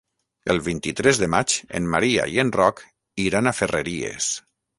El vint-i-tres de maig en Maria i en Roc iran a Ferreries.